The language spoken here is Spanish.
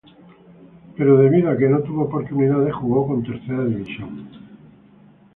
Pero debido a que no tuvo oportunidades, jugó con Tercera División.